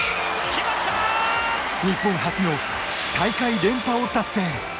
日本初の大会連覇を達成。